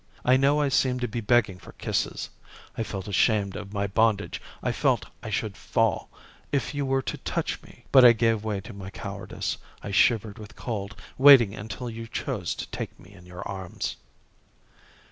I know I seemed to be begging for kisses, I felt ashamed of my bondage, I felt I should fall, if you were to touch me. But I gave way to my cowardice, I shivered with cold, waiting until you chose to take me in your arms."